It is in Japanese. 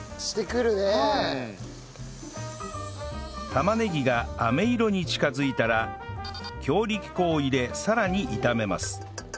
玉ねぎがあめ色に近づいたら強力粉を入れさらに炒めます